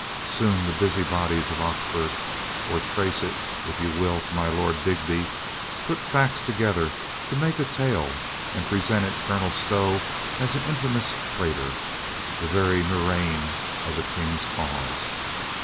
Soon the busybodies of Oxford — or trace it if you will to my Lord Digby — put facts together to make a tale and presented Colonel Stow as an infamous traitor, the very murrain of the King's cause.